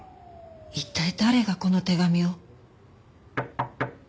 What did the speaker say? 一体誰がこの手紙を？